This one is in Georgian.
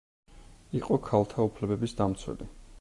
იყო ქალთა უფლებების დამცველი.